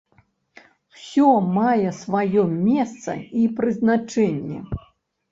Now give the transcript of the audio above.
Усё мае сваё месца і прызначэнне.